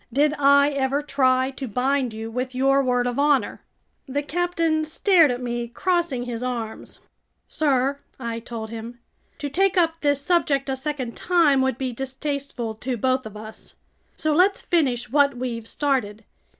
"Did I ever try to bind you with your word of honor?" The captain stared at me, crossing his arms. "Sir," I told him, "to take up this subject a second time would be distasteful to both of us. So let's finish what we've started.